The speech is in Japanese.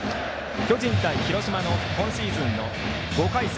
巨人対広島の今シーズンの５回戦。